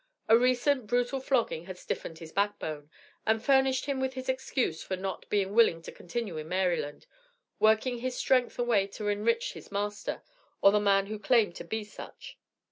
A recent brutal flogging had "stiffened his back bone," and furnished him with his excuse for not being willing to continue in Maryland, working his strength away to enrich his master, or the man who claimed to be such.